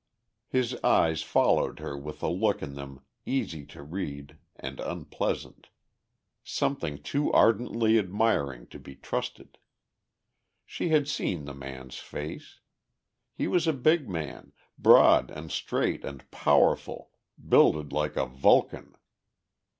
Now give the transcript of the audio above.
His eyes followed her with a look in them easy to read and unpleasant; something too ardently admiring to be trusted. She had seen the man's face. He was a big man, broad and straight and powerful, builded like a Vulcan.